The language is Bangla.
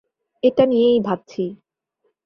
এটা নিয়েই ভাবছি।